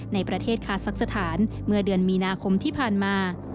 ในประเทศคาซักสถานเมื่อเดือนมีนาคมที่ผ่านมา